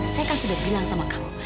saya kan sudah bilang sama kamu